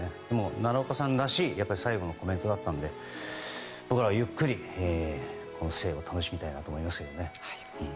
奈良岡さんらしい最後のコメントだったので僕らはゆっくり今世を楽しみたいと思いましたけどね。